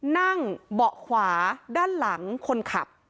นั่งเบาะขวาด้านหลังคนขับ